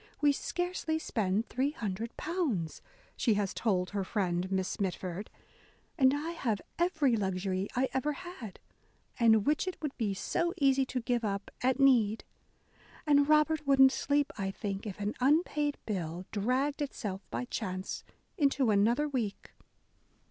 We scarcely spend £300," she has told her friend Miss Mitford, "and I have every luxury I ever had, and which it would be so easy to give up, at need : and Robert wouldn't sleep, I think, if an unpaid bill dragged itself by chance into another week."